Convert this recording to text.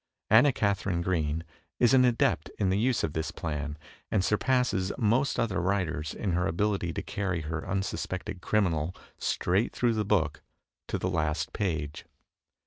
Anna Katharine Green is an adept in the use of this plan, and surpasses most other writers in her abihty to carry her unsuspected criminal straight through the book to the last page.